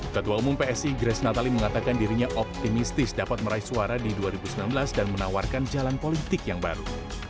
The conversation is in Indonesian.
ketua umum psi grace natali mengatakan dirinya optimistis dapat meraih suara di dua ribu sembilan belas dan menawarkan jalan politik yang baru